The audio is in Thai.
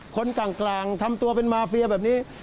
คนกลางทำตัวเป็นมาเฟียแบบนี้